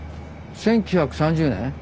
１９３０年？